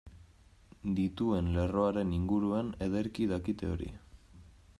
Dituen lerroaren inguruan ederki dakite hori.